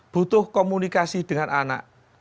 butuh komunikasi dengan anak